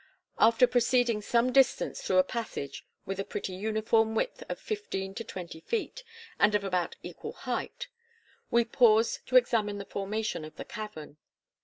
After proceeding some distance through a passage with a pretty uniform width of fifteen to twenty feet, and of about equal height, we paused to examine the formation of the cavern.